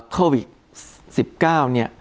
โควิด๑๙เนี่ย